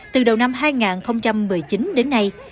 từ đầu năm hai nghìn một mươi chín đến nay